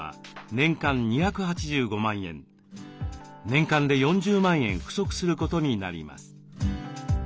年間で４０万円不足することになります。